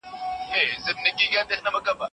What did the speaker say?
هر سپورت د دماغ فعالیت په دې اندازه نه ښه کوي.